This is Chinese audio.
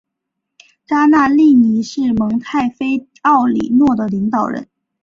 扎纳利尼是蒙泰菲奥里诺的领导人。